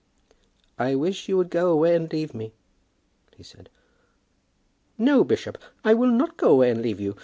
"I wish you would go away and leave me," he said. "No, bishop, I will not go away and leave you.